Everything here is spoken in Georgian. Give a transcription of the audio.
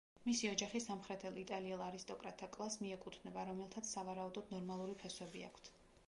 მისი ოჯახი სამხრეთელ იტალიელ არისტოკრატთა კლასს მიეკუთვნება, რომელთაც სავარაუდოდ ნორმანული ფესვები აქვთ.